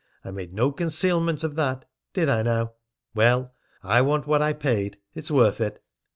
I made no concealment of that, did I now? Well, I want what I paid. It's worth it!"